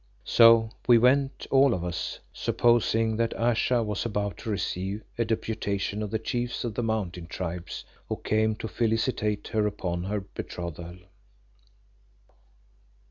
So we went, all of us, supposing that Ayesha was about to receive a deputation of the Chiefs of the Mountain Tribes who came to felicitate her upon her betrothal.